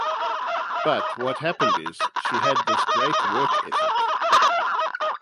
But what happened is, she had this great work ethic.